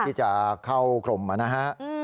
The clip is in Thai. ที่จะเข้ากรมนะฮะ